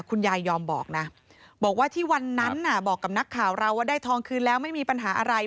คุณยายยอมบอกนะบอกว่าที่วันนั้นบอกกับนักข่าวเราว่าได้ทองคืนแล้วไม่มีปัญหาอะไร